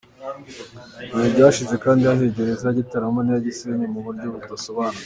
Mu bihe byashize kandi hahiye gereza za Gitarama n'iya Gisenyi mu buryo budasobanutse .